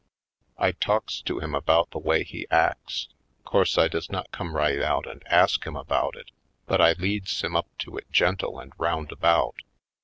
I talks to him about the way he acts. Course I does not come right out and ask him about it; but I leads him up to it gentle and roundabout.